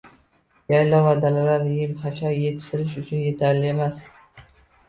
Yaylov va dalalar em -xashak etishtirish uchun etarli emas